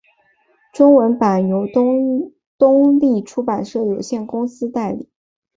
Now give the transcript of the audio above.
中文版由东立出版社有限公司代理。